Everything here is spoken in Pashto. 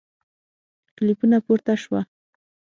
کلیپونه پورته سوه